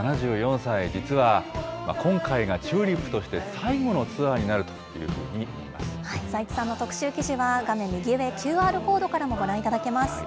７４歳、実は今回がＴＵＬＩＰとして最後のツアーになるというふうにいい財津さんの特集記事は、画面右上、ＱＲコードからもご覧いただけます。